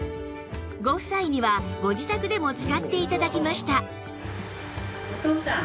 ご夫妻にはご自宅でも使って頂きました